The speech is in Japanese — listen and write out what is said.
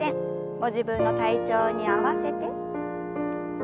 ご自分の体調に合わせて。